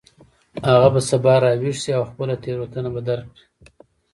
هغه به سبا راویښ شي او خپله تیروتنه به درک کړي